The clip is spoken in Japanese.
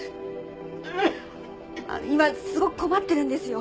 今すごく困ってるんですよ。